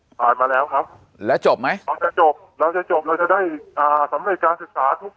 พันธุ์อาจมาแล้วครับแล้วจะจบแล้วจะได้รับฝูททุกคน